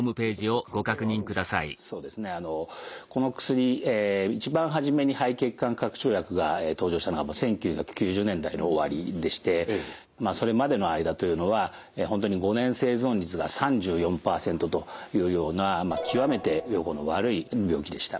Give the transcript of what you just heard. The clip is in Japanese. そうですねこの薬。一番初めに肺血管拡張薬が登場したのが１９９０年代の終わりでしてそれまでの間というのは本当に５年生存率が３４％というような極めて予後の悪い病気でした。